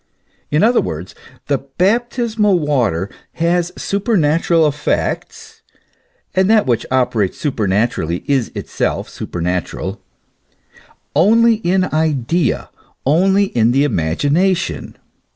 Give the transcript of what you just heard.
In other words : the baptismal water has super natural effects (and that which operates supernaturally is itself supernatural) only in idea, only in the imagination.